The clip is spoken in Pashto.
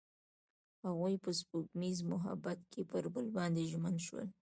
هغوی په سپوږمیز محبت کې پر بل باندې ژمن شول.